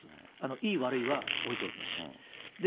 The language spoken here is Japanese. いい悪いは置いておきまして。